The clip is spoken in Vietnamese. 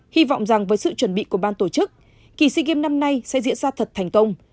hy vọng rằng với sự chuẩn bị của ban tổ chức kỳ sea games năm nay sẽ diễn ra thật thành công